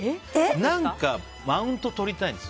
何か、マウントとりたいんですよ。